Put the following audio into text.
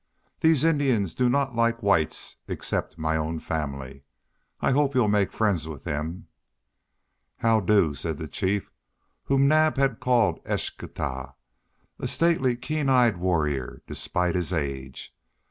These Indians do not like the whites, except my own family. I hope you'll make friends with them." "How do?" said the chief whom Naab had called Eschtah, a stately, keen eyed warrior, despite his age.